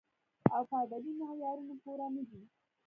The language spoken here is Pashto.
او پۀ ادبې معيارونو پوره نۀ دی